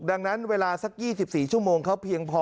ดังนั้นเวลาสัก๒๔ชั่วโมงเขาเพียงพอ